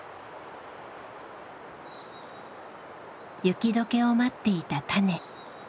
雪どけを待っていた種。